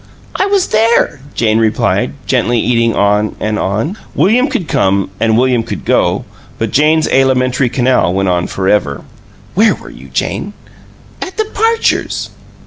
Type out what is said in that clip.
"I was there," Jane replied, gently eating on and on. William could come and William could go, but Jane's alimentary canal went on forever. "You were where, Jane?" "At the Parchers'."